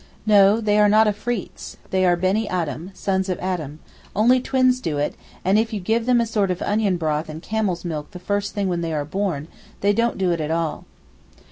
No, they are not Afreets, they are beni Adam (sons of Adam), only twins do it, and if you give them a sort of onion broth and camel's milk the first thing when they are born, they don't do it at all.